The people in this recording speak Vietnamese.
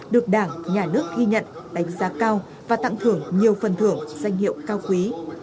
được đảng nhà nước ghi nhận đánh giá cao và tặng thưởng nhiều phần thưởng danh hiệu cao quý